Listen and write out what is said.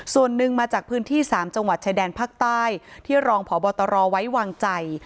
ส่วนหนึ่งมาจากพื้นที่๓จังหวัดชายแดนภาคใต้ที่รองพบตรไว้วางใจ